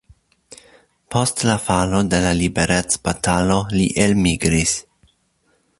Post la falo de la liberecbatalo li elmigris.